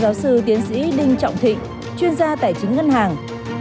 giáo sư tiến sĩ đinh trọng thịnh chuyên gia tài chính ngân hàng